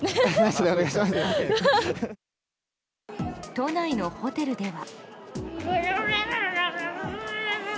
都内のホテルでは。